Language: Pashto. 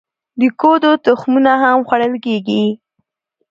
د کدو تخمونه هم خوړل کیږي.